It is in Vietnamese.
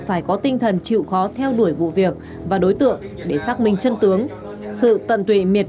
phải có tinh thần chịu khó theo đuổi vụ việc và đối tượng để xác minh chân tướng sự tận tụy miệt